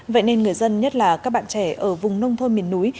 vậy nên người dân nhất là các bạn trẻ ở vùng nông thôn miền núi